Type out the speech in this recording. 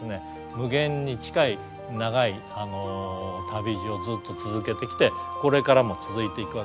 無限に近い長い旅路をずっと続けてきてこれからも続いていくわけですよね。